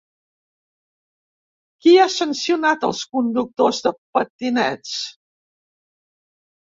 Qui ha sancionat els conductors de patinets?